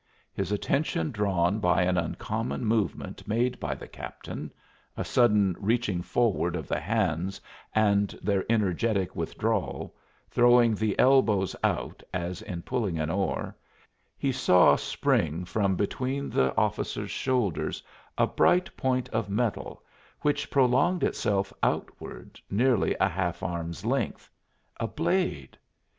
His attention drawn by an uncommon movement made by the captain a sudden reaching forward of the hands and their energetic withdrawal, throwing the elbows out, as in pulling an oar he saw spring from between the officer's shoulders a bright point of metal which prolonged itself outward, nearly a half arm's length a blade!